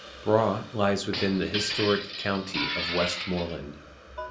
Brough lies within the historic county of Westmorland.